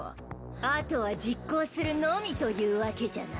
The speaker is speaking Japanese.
あとは実行するのみというわけじゃな。